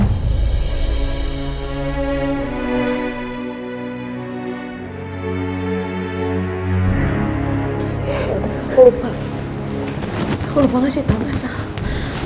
aku lupa aku lupa kasih tau masalah